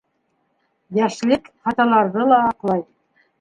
Йәшлек хаталарҙы ла аҡлай